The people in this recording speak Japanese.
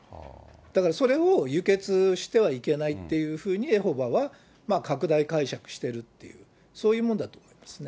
だからそれを輸血してはいけないっていうふうに、エホバは拡大解釈してるっていう、そういうものだと思うんですね。